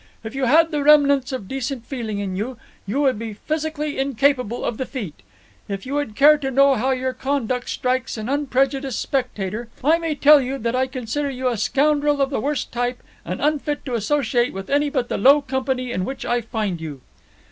If you had the remnants of decent feeling in you, you would be physically incapable of the feat. If you would care to know how your conduct strikes an unprejudiced spectator, I may tell you that I consider you a scoundrel of the worst type and unfit to associate with any but the low company in which I find you."